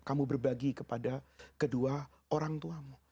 kamu berbagi kepada kedua orang tuamu